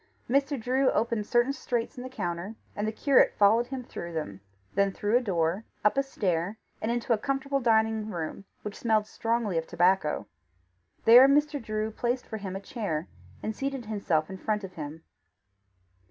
Mr. Drew opened certain straits in the counter, and the curate followed him through them, then through a door, up a stair, and into a comfortable dining room, which smelt strongly of tobacco. There Mr. Drew placed for him a chair, and seated himself in front of him.